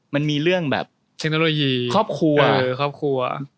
มันมีเรื่องแบบครอบครัว